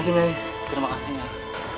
semuanya akan kebahagiaan